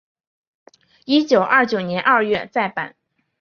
一九二九年二月再版。